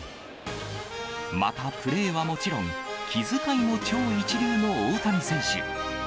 またプレーはもちろん、気遣いも超一流の大谷選手。